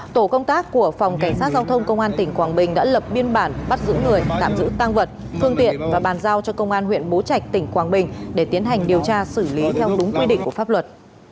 tổ công tác của phòng cảnh sát giao thông công an tỉnh quảng bình đã lập biên bản bắt giữ người tạm giữ tăng vật phương tiện và bàn giao cho công an huyện bố trạch tỉnh quảng bình để tiến hành điều tra xử lý theo đúng quy định của pháp luật